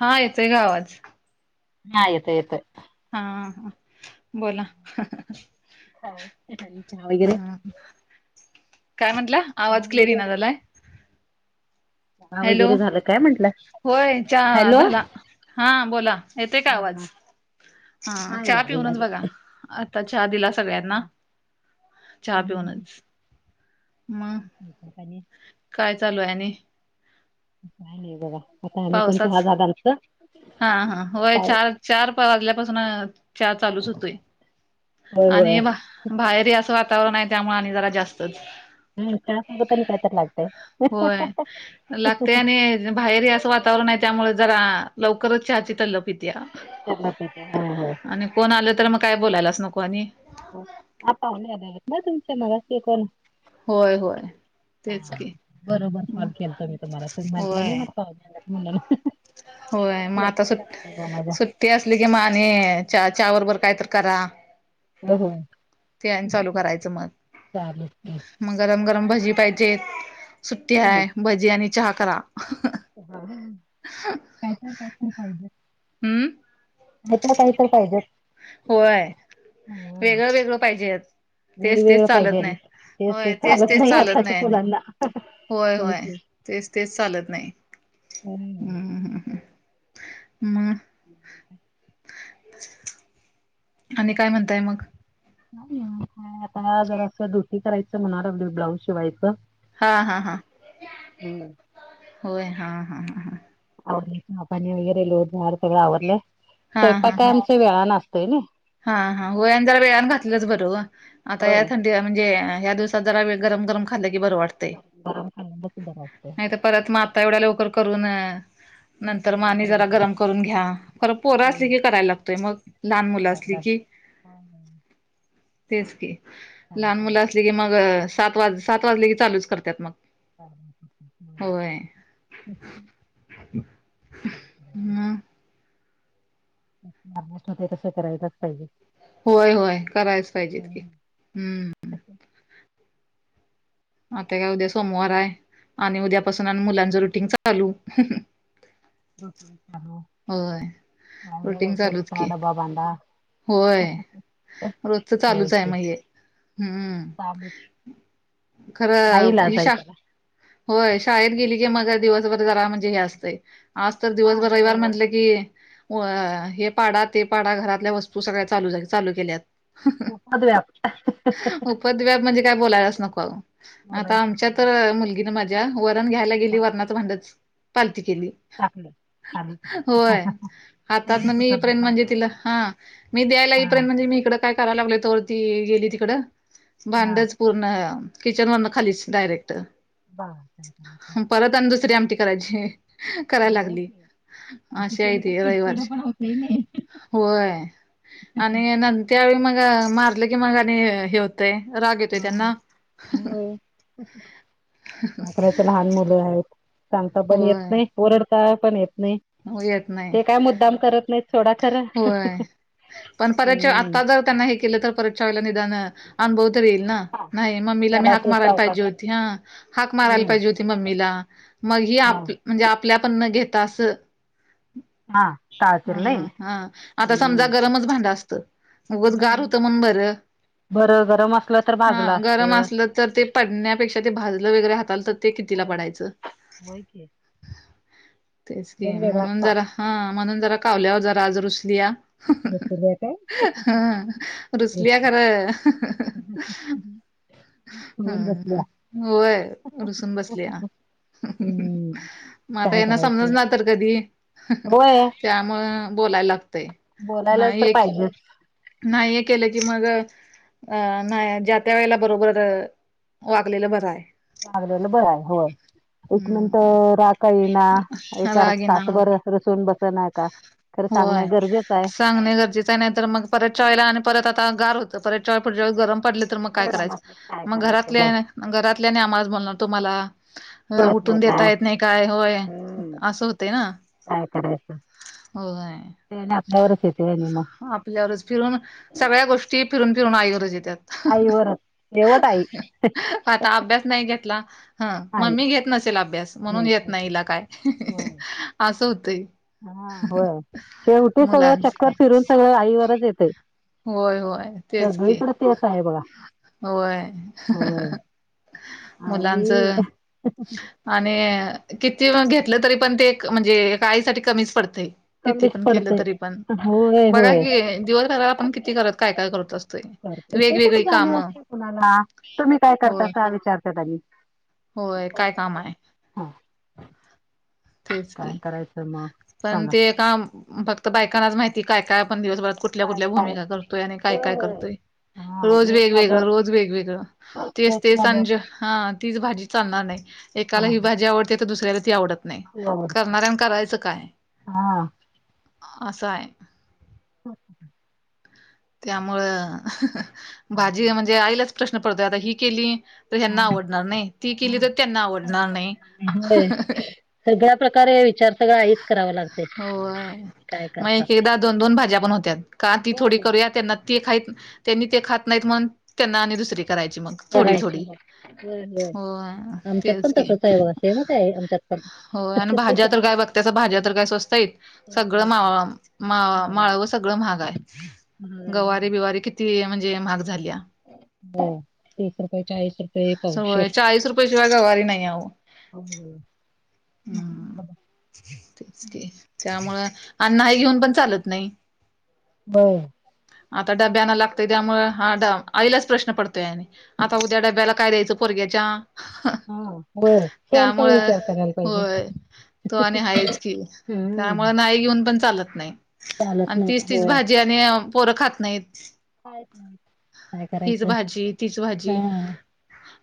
हा येतय ग आवाज. हा येतय येतंय. हां हा. बोला, काय चहा वगैरे हा. काय म्हणला? चहा आवाज क्लिन वगैरे ना झालाय. चहा हॅलो, वगैरे झालं काय म्हंटलं? होय चहा हॅलो. झाला हा बोला येतेय का हा आवाज? हा हां हा चहा याले पिऊनच याले. बघा आता चहा दिला हा सगळ्यांना. हा चहा पिऊनच मग आणि काय चालू आहेने? काय नाई बगा. पावसाच हां हां होय काय चार चार पा वाजल्यापासून चार चालूच होतोय होय होय आणि म बाहेरी आसं वातावरण आहे त्यामुळे आणि जरा जास्तच. हम्म चहा सोबत आणि काय तर लागतंय. होय लागते आणि बाहेरया वातावरण आहे त्यामुळं जरा लवकरच चहाची तल्लप. पित्या त्यांना पिते होय होय. आणि कोण आल तर म काय बोलायलाच नको आणि हो पाहणेवे [unintelligible] त ना तुमच्या मग कोण होय होय. तेच हा की बरोबर कॉल केलतो मी तुम्हाला त म्हटलं नाही होय ना. [unintelligible] होय मग आता सुट माझ्या सुट ट्टी असली की म आणि च्या च्या बरोबर काय तर करा. हो होय चालेल. की. म गरम गरम भजी पाहिजेत सुट्टी हम्म हाय भजी आणि चहा करा. हां काहीतरी त्यातून फायदे. हम्म. नाही तर काही तर पाहिजेच. होय हम्म वेगळं वेगळं पाहिजे. तेच तेच वेगवेगळं पाहिजे चालत आणि नाही तेच होय तेच तेच नाही चालत नाही. [unintelligible] होय होय की तेच तेच चालत नाही. ह. हम्म हम् हम् म. हय [inaudible] आणि काय म्हणताय मग? आता जरा असं धोती करायचं म्हणाणार ब्लाऊज शिवायचं. हा हा हा हम्म. होय हा हा हा हा. आव चहा पाणी वगैरे लोटझाड सगळं आवरडलं हा स्वयंपाक हा काय हा आमच्या वेळा न आ सतोय नय. हा हा वयान जरा वेळन घातलंच बर ओ आता या होय. थं डी म्हणजे ह्या दिवसात जरा वे गरम गरम खाल्लं की बरं वाट गरम खा सु बर असतय [unintelligible] परत म आता एवढ्या लवकर करून नंतर म गरम आणि करत जरा बसायचं. गरम करून घ्या खर पोर असली होय. की कराय लागतय मग लहान मुला करायला ठिके लागतं. होय होय तेच की काय लहान मुलं करायचं? असली की मग सात वाज सात वाजले की चालूच करत्यात म. ह [inaudible] मग [unintelligible] ते तसं करायलाच पाहिजे. होय होय करायच पाहिजे कि हम्म. आता काय उद्या सोमवार हाय आणि उद्यापासून आणि हा मुलांच रुटींग चालू. होय आवरा रुटीन लवकर चालूच उटा की डबा बांदा होय, रोजच चालूच आहे सवयीची म हे हम्म. चालू नाही खरं हि इलाज आहे शा त्याला होय शाळेत गेली की मझा दिवसभर जरा म्हणजे हे आसतंय. आज तर हा दिवसभर जरा रविवार वेळ म्हंटलं की हे पाडा ते पाडा घरातल्या वस् तू सगळ्या चालू झाल्या.. चालू केल्यात ऊपदव्याप उपदव्याप म्हणजे काय बोलायलाच नको आता बोलायचंच आमच्या नाही तर मुलगीन माझ्या वरण घ्यायला गेली वरणाच भांडचं पालती केली टाकलं खाली होय हातात पेन न मी पुसत येईपर्यंत बसा म्हणजे तिला.. हा मी द्यायला हा येईपर्यंत म्हणजे मी इकड काय कराय लागलोय तोवर ती गेली तिकड हा भांडच पूर्ण किचन वरन खालीच डायरेक्ट बघा काय करायचं परत आणि दुसरी आमटी करायची कराय होय लागली की असं अशी हाय केलं तर ती.. चिडचिड वैवाचं पण होतंय नाही होय आणि न त्यावेळी मग मारलं की मग आणि हे होतय राग येतोय हा त्यांना होय काय करायच लहान मुलं आहेत सांगता पण येत होय नाही. ओरडता पण येत नाही येत नाही ते काय मुद्दाम करत नाहीत सोडा खर होय. पण परतच्या हम्म आता जर त्यांना हे केलं तर परतवेळला निदान. अनभव तर येईल ना. हा नाही मम्मीला मी हाक जरासं मारायला पाहिजे सावकाश होती हा. हाक मारायला हम्म. पाहिजे होती मम्मीला मग ही हा आपल्या म्हणजे आपण घेता असं. हा टाळतील ह नाही हा आता समजा गरमच भांडं असतं उगच गार हम्म. होत म्हणून बरं बरं गरम असलं तर हा भाजलं गरम असतं. असलं तर ते पडण्यापेक्षा ते भाजलं वगैरे हाताला तर ते कितीला होय पडायचं? होय की तेच कि दोन वेगळाच म्हणून ताप जरा हा म्हणून जरा कावल्यावर जरा आज रुसलीया बसलेली काय हा रुसलिया खरं सुगून हम्म बसल्या. ह होय रुसून बसल्या हम्म. म आता काय यांना करायचं? समजनार तर कधी? होय. त्यामुळं बोलायला लागतय बोलायला तर पाहिजेचं नाही हे केलं की मग अ नाही ज्या त्या वेळेला बरोबर वागलेलं बरं आहे वागलेलं बरं आहे होय एक हम्म मिनटं राग का येईना एका राग येणार तासभर रुसून बसना का खरं सांगण होय गरजेचं आहे सांगणे गरजेचं आहे नाही तर मग परतच्या वेळेला आणि परत आता गार होतं परत च्या पुढच्या वेळेस गरम पडलं तर मग काय गरम करायचं असलं तर काय मग करायचं बघ घरातल्या घरातले आणि आम्हालाचं बोलणार तुम्हाला कळत नाही उठून काय देता येत नाही काय होय हम्म. असं होतंय ना काय करायचं होय ते आणि आपल्यावरच येतंय हे नी म आपल्यावरच फिरून सगळ्या गोष्टी फिरून फिरून आईवरचं येत्यात. आई वरच शेवट आई आता अभ्यास नाही घेतला हा आई मम्मी घेत नसेल अभ्यास म्हणून घेत घ्यायचं नाही असेल. हीला काय? होय. असं होतंय. हा होय शेवटी सगळं मुलांच चक्कर फिरून सगळं आईवरच येतय. होय होय तेच की तेचं आहे बघा होय होय आणि मुलांचं आणि किती घेतलं तरी पण ते म्हणजे एका आईसाठी कमीच पडतंय. किती कमीच पण केलं पडते. तरी पण होय बघा होय कि दिवसभर आपण किती घरात काय काय करत असतो य करते ते कुठे वेगवेगळी जाणीव कामं. असते कुणाला तुम्ही काय होय करतासा विचारतात आणि होय काय काम आहे? हा तेच की काय करायचं मग पण सांगा ते का फक्त बायकांनाच माहिती काय काय पण दिवसभर कुठल्या काय कुठल्या काय भूमिका करतोय आणि काय होय काय होय. करतोय हा रोज एक झालं वेगवेगळं रोज वेगवेगळं तेच ते एक झालं सज हा तीच भाजी चालणार नाही एकाला हा ही हा भाजी आवड ते तर दुसऱ्याला ती आवडत नाही आवडते करणाऱ्या करायचं काय असं आहे अच्छा त्यामुं हा. भाजी म्हणजे आईलाच प्रश्न पडतोय आता ही केली तर हा ह्यांना आवडणार नाही ती केली हा तर त्यांना आवडणार नाही सगळ्या प्रकारे विचार सगळं आईच कराव लागते होय काय मग करता एक एकदा दोन दोन भाज्या पण होत्या का ती होय थोडी होय करून त्यांना ते खा त्यांनी ते खात नाहीत म्हण त्यांना दुसरी करायची मग थोडी करायचे थोडी होय होय होय हो आमच्यात पण तेच की तसच आहे बघा सेमच आहे आमच्यात पण हो आणि भाज्या तर काय बघ त्याच भाज्या तर काय स्वस्तय स्वस्त सगळं आहेत मा काय मा महाग आहे माळ सगळं महाग आहे महाग आहे गवारीे बिवारी किती म्हणजे महाग झाली हो तीस रुपये चाळीस रुपये पावशेर सय चाळीस रुपये शिवाय गवारी नाही आहे हो हम् तेच क त्यामुळं अण्णा हे घेऊन पण चालत नाही हो आता डब्याना लागतय त्यामुळे हा ड आईलाच प्रश्न पडतोय आणि आता उद्या डब्याला काय द्यायचं पोरग्याच्या हा हो तेसग त्यामुळं विचार कराल होय तो आणि आहेाच की हम्म त्यामुं नाही घेऊन पण चालत नाही चालत आणि नाही तीच तीच होय भाजी आणि पोरं खात नाहीत कायच नाही काय हीच करायचं भाजी तीच भाजी हा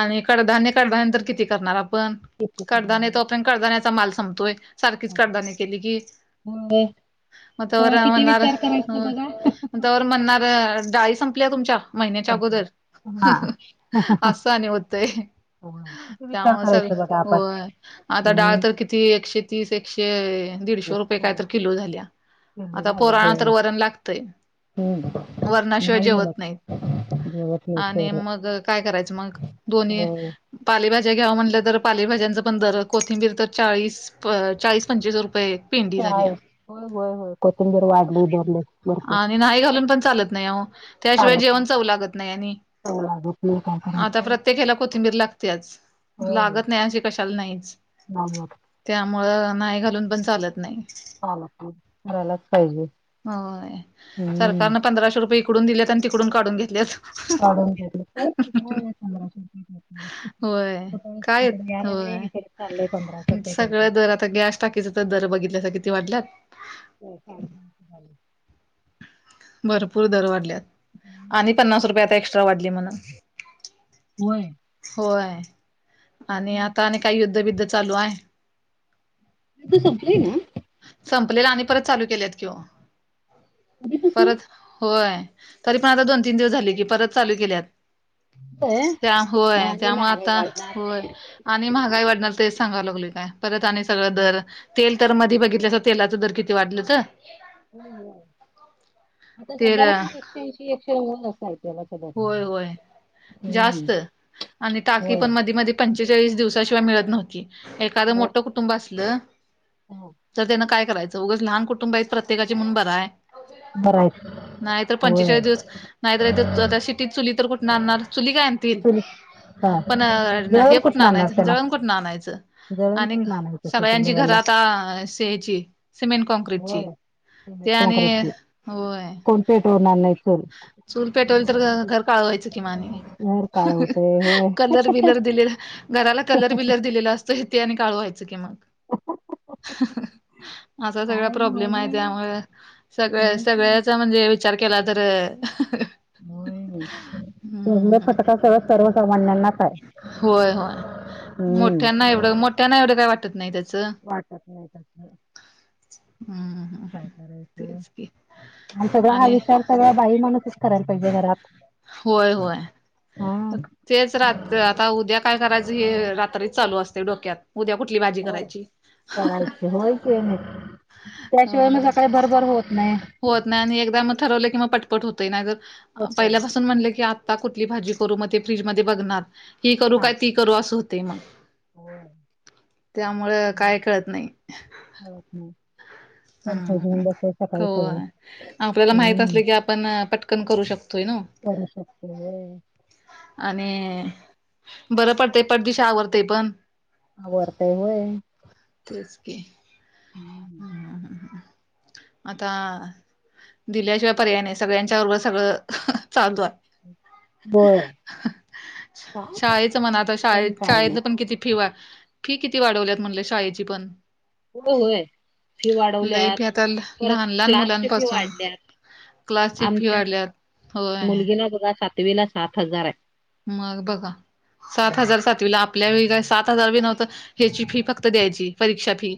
आणि कडधान्य कडधान्यंतर किती करणार आपण किती कडधान करणार नेतो आहे आप कदाण्याचा माल संमपतोय सारखीच कडदानी केली कि होय मग तेव्हा तर किती म्हणार विचार करायचा बघा. त्यावर म्हणणार डाळी संपल्या तुमच्या महिन्याच्या अगोदर हा असं आणि होतय किती विचार त्यामुळे सगळ करायचा बघा आपण. होय आता डाळ तर किती त एकशे तीस एकशे दीडशे रुपये काय होय तर किलो झाल्या आता झालं पोराणा तर होय वरण लागतय वरणाशिवाय जेवत नाहीत ब ब आणि मग काय करायचं मग दोन्ही होय पालेभाज्या घ्यावा म्हटलं तर पालेभाज्यांचं पण दर कोथिंबीर तर चाळीस चाळीस पंचवीस रुपये पेंडी आहे झाल्या हो होय होय कोथिंबीर वाढले दरले भरपूर आणि नाही घालून पण चालत नाही त्याशिवाय चालत जेवण नाही लागत नाही आणि चव लागत नाही काय आता करायचं प्रत्येक हला कोथिंबीर लागते आज होय लागत नाही अशी कशाला नाहीच नाही होत. त्यामुळं नाही घालून पण चालत नाही चालत नाही करायलाच पाहिजे हो हम्म. सकारने पंधरा सो रुपये तिकडून दिलेत आणि तिकडून काढून घेतलेत ढून काय पंधराशे होय तु इिकडे यायला वे चाले पंधरा सगळ दर आता गॅस टाकीच तर दर बघितल्यास किती वाटल्यात हो सार भरपूर दर वाढल्यात हम्म आणि पन्नास रुपये आता एक्स्ट्रा वाढली म्हणून. होय होय आणि हम्म. आता आणि काही युद्धबिद्ध चालू आहे. ते संपलंय ना. संपलेला आणि परत चालू केलेत किंवा. परत होय तरी पण आता दोन तीन दिवस झाले की परत चालू केल्यात. होय. त्या होय मान्य त्यामुळे महागाई आता वाढणार. होय. आणि महागाई वाढणार तेच सांगावं लागले काय परत आणि सगळं दर. तेल तर मधी बघितलंस तेलाचं दर किती वाढलं तर. हो हो आता तेल सध्याला पण एकशे ऐंशी एकशे व असय. होय होय जास्त आणि टाकी होय. पण मधी मध. पंचेचाळीस दिवसाशिवाय मिळत नव्ह एादं मोठ. हा. कुटुंब असलं तर त्यान काय करायचं उगंच लहान कुटुंब आहेत प्रत्येकाची मुून बरा आहे. बरं आहे. नाहीत होय. पंचेचाळीस दिवस नाहीतरथ. त्या सिटीत चुली तर कुठून आणणार चुली काय आणतील. चुल हा. पण हे जळण कुठं कुठून आणणार आणायचं त्याला? जळण कुठून आणायचं. जळण आणि कुठून आणायचं सिटी सगळ्यांची लेवलला? घरात स सिमेंट. कांक्र्रीटची होय. सिमेंट ते आणि होय. पेटोणार नाही हो. चूल पेटवल तर घर काळवायचं किमाने. घर काळं होतंय. होय. कलर बलर दिलेला घराला कलर बिलर दिलेला असत. ेत आणि काळ व्हायचं की मग. असा सगळा काय प्रॉब्लेम आहे मध्ये त्यामुळे सगळ होय. की. सगळ्याचा म्हणजे. विचार केला तरर. सग फटका स सर्वसामान्यांना. होय होय. हम्म. मोठ्यांना एवढं मोठ्यांना एवढं काय वाटत नाही त्याचं. वाटत नाही त्याच हम्म ह. काय करायचं आणि सगळा हा आणि विचार सगळा बाई माणूसच करायला पाहिजे घरात. होय होय. हा. तेच रात आता उद्या काय करायचं हे रात्रीच चालू असते डोक्यात. उद्या कुठली भाजी होय करायची करायची होय क ये नाही. त्याशिवाय मग अ सकाळी भरभर होत नाही. होत नाही आणि एकदा मग ठरवलं की म पटपट होतय नाही जर होतय पहिल्यापासून म्हटले की. कुठली भाजी करू मग ते फ्रीज मध्ये बघणार ही करू हा काय ती करू असं होते मग. होय त्यामुळं काय कळत नाही. खण. हम ख सगळं. आपल्याला माहित हम्म. असलं की आप. आपण पटकन करू शकतोय ना. करू शकत. आणि बरं पडतय पटदश आवरते पण. ह वरतायवय. हम्म हम् हम् आता. दिल्याशिवाय पर्याय नाही सगळ्यांच्या बरोबर सगळं चालू आहे. बर. शाळेच म्हण आता करायचं शाळ आणि काय नाही. शाळेत पण किती फिवा फी किती वाढवल्यात म्हटले शाळेची पण. हो होय फी लय वाढवल्यात फी आता परत लहान लहान क्लासची फी मुलांपासून वाढल्यात. क्लासची फी आमच्या वाढल्यात होय मुलगीला बघा सातवीला सात हजार आहे. मग बघा सात बघा हजार सात तुला आपल्या वळी सात हजार बी नव्हतं ह्याची फी फक्त द्यायची परीक्षा फी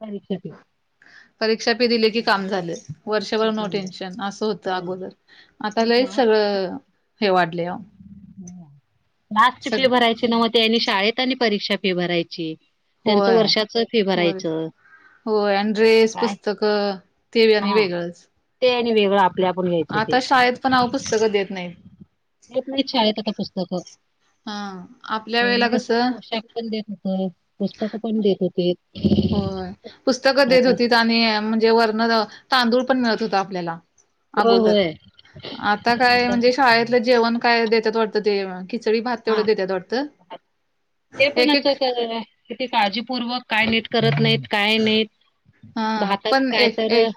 परीक्षक परीक्षा पे दिले की काम झाले वर्षभर नो टेन्शन असं होतं अगोदर आता ते लयच सगळं हे वाढले लास्ट सग फी भरायची न म तेनी शाळेत आणि परीक्षा फी भरायची त्यांचं होय वर्षाच फी बर भरायचं हो अड्रेस काय पुस्तक अ ते आणि हा वेगळंच ते आणि वेगळ आता शाळेत पण आओ पुस्तकं देत नाहीत देत नाहीत शाळेत आता पुस्तकं हा आपल्या पहिला वेळेला कसं पोशाख पण [unintelligible] होत पुस्तकं पण देत होते होय पुस्तकं देत आता होतीत आणि म्हणजे वर्ण तांदूळ पण मिळत होत आपल्याला होय अगोदर होय आता काय म्हणजे शाळेतलं जेवण काय देतात वाटतं ते खिचडी भात तेवढं हा देत्यात वाडत एक एक ह किती काळजीपूर्वक काय नीट करत नाहीत काय नाहीत हा भातात पण काय एक तर एक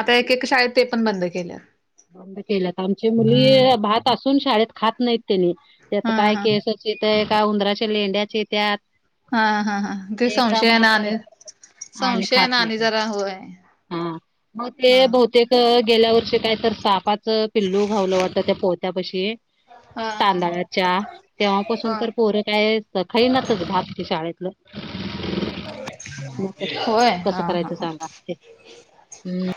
आता एक एक शाळेत ते पण बंद केल्यात बंद केल्यात आमची मुली हम्म भात असून शाळेत खात नाहीत त्यांनी त्यात हा काय हा केस थ एका उंदराच्या लेंड्याचे त्या हा हा हा ते संशया ना पर आणि आणि संशय खात ना आणि नाहीत जरा होय हा मग हा ते बहुतेक गेल्या वर्षी काय तर सापाचं पिल्लू घावलं वाटतं त्या पोहत्या पशी हा हा हा तांदळाच्या तेव्हापासून हा तर पोरं काय खाईनातच भात ते शाळेतलं मग होय हा कसं हा करायचं हा सांगा ते हम्म